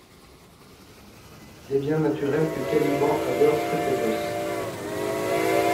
Il est bien naturel que Caliban adore Sétébos.